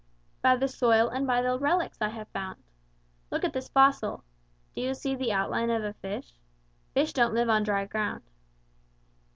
"By the soil and by the relics I have found. Look at this fossil. Do you see the outline of the fish? Fish don't live on dry ground."